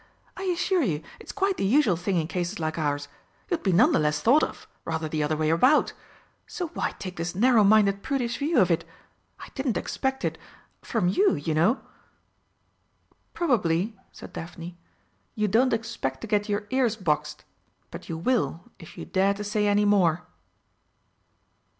I assure you it's quite the usual thing in cases like ours. You'd be none the less thought of rather the other way about. So why take this narrow minded, prudish view of it? I didn't expect it from you, you know!" "Probably," said Daphne, "you don't expect to get your ears boxed but you will, if you dare to say any more."